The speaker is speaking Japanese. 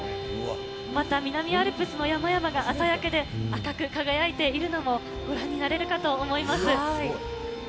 また、南アルプスの山々が朝焼けで赤く輝いているのも、ご覧になれるかと思います。